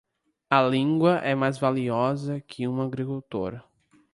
A língua é mais valiosa que um agricultor.